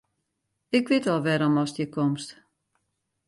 Ik wit al wêrom ast hjir komst.